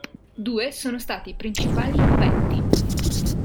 Due sono stati i principali moventi.